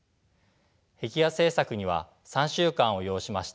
壁画制作には３週間を要しました。